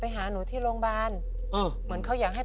ไปหาหนูที่โรงพยาบาล